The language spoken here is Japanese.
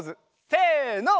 せの。